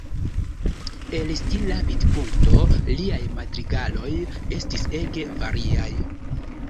El stila vidpunkto liaj madrigaloj estis ege variaj.